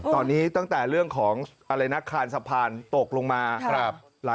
ตอนนี้ตั้งแต่เรื่องของอะไรนะคานสะพานตกลงมา